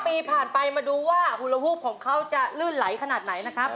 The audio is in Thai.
ปีผ่านไปมาดูว่าคุณภูมิของเขาจะลื่นไหลขนาดไหนนะครับ